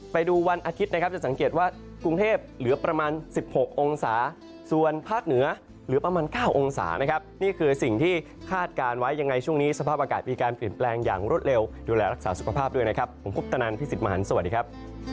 ไปดูวันอาทิตย์นะครับจะสังเกตว่ากรุงเทพเหลือประมาณ๑๖องศาส่วนภาคเหนือหรือประมาณ๙องศานะครับนี่คือสิ่งที่คาดการณ์ไว้ยังไงช่วงนี้สภาพอากาศมีการเปลี่ยนแปลงอย่างรวดเร็วดูแลรักษาสุขภาพด้วยนะครับผมคุปตนันพี่สิทธิ์มหันฯสวัสดีครับ